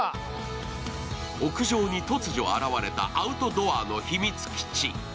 屋上に突如現れたアウトドアの秘密基地。